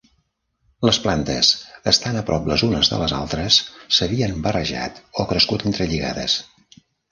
Les plantes, estant a prop les unes de les altres, s'havien barrejat o crescut entrelligades.